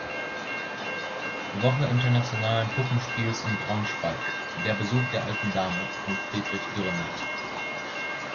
Woche Internationalen Puppenspiels in Braunschweig" "Der Besuch der alten Dame" von Friedrich Dürrenmatt.